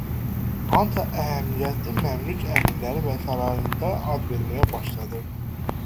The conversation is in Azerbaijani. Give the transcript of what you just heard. Ancaq əhəmiyyətli Məmlük əmirləri və sarayında ad verməyə başladı.